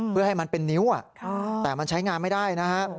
เพื่อให้มันเป็นนิ้วแต่มันใช้งานไม่ได้นะฮะ